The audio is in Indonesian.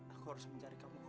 aku harus mencari kamu